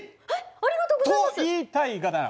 ありがとうございます！と言いたいがだな